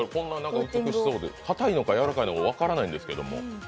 かたいのかやわらかいのか分からないんですけど。